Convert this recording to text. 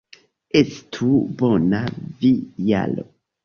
Estu bona vi, Jaro!